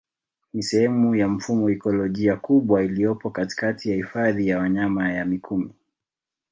Ni sehemu ya mfumo ikolojia kubwa iliyopo katikati ya Hifadhi ya Wanyama ya mikumi